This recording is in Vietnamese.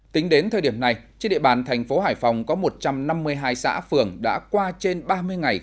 tính đến thời điểm này trên địa bàn thành phố hải phòng có một trăm năm mươi hai xã phường đã qua trên ba mươi ngày